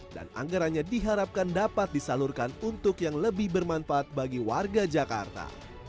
dan anggarannya diharapkan dapat disalurkan untuk yang lebih bermanfaat bagi warga jakarta